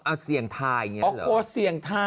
เอาเสี่ยงทาอย่างเงี้ยเหรอ